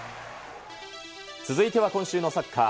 続いては今週のサッカー。